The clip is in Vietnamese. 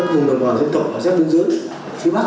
các vùng đồng hòa dân tộc ở giáp bên dưới phía bắc